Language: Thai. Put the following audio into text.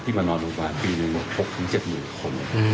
มานอนโรงพยาบาลปีหนึ่ง๖๗๐๐คน